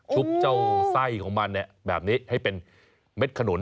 เจ้าไส้ของมันแบบนี้ให้เป็นเม็ดขนุน